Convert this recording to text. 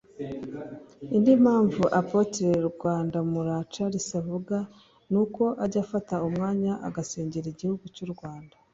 Indi mpamvu Apotre Rwandamura Charles avuga ni uko ajya afata umwanya agasengera igihugu cy’u Rwanda